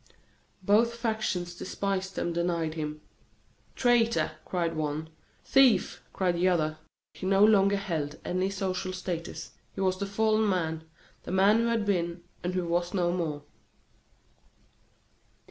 Both factions despised and denied him. Traitor, cried one; thief, cried the other. He no longer held any social status. He was the fallen man, the man who had been, and who was no more.